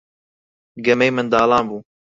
گەمەی منداڵان بوو.